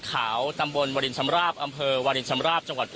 ขาวตำบลวรินชำราบอำเภอวาลินชำราบจังหวัด